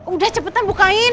udah cepetan bukain